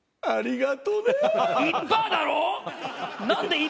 ありがとうね。